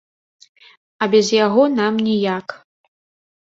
А без яго нам ніяк.